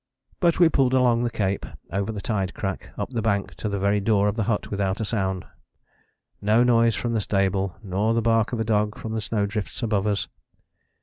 But we pulled along the cape, over the tide crack, up the bank to the very door of the hut without a sound. No noise from the stable, nor the bark of a dog from the snowdrifts above us.